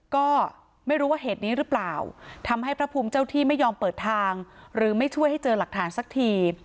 ก็ไม่รู้ว่าเหตุนี้หรือเปล่าทำให้พระภูมิเจ้าที่ไม่ยอมเปิดทางหรือไม่ช่วยให้เจอหลักฐานสักที